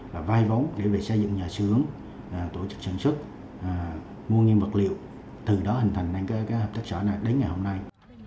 và vai vóng để xây dựng nhà sửa tổ chức sản xuất mua nghiêm vật liệu từ đó hình thành hợp tác sở này đến ngày hôm nay